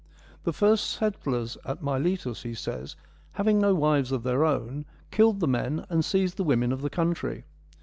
' The first settlers at Miletus/ he says, THE MILESIAN TALES 49 1 having no wives of their own, killed the men and seized the women of the country.'